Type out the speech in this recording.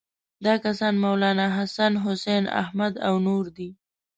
دا کسان مولناحسن، حسین احمد او نور دي.